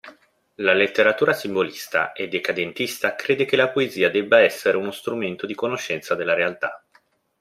La letteratura simbolista e decadentista crede che la poesia debba essere uno strumento di conoscenza della realtà.